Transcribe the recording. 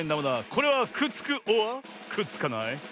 これはくっつくｏｒくっつかない？